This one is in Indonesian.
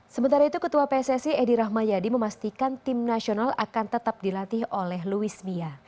sementara itu ketua pssi edi rahmayadi memastikan tim nasional akan tetap dilatih oleh luis mia